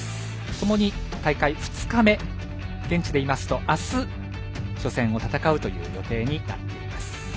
ともに大会２日目現地でいいますと明日、初戦を戦うという予定になっています。